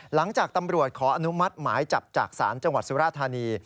หลังจากตำรวจขออนุมัติหมายจับจากศาลจังหวัดสุราธานี